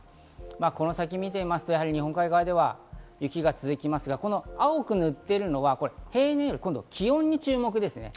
この先を見てみると、日本海側では雪が続きますが、青く塗っているのは、平年より気温に注目です。